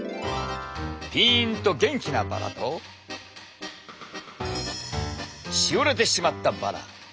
ピンと元気なバラとしおれてしまったバラ。